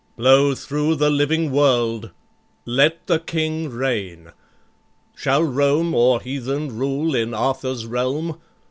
Blow thro' the living world 'Let the King reign.' "Shall Rome or heathen rule in Arthur's realm?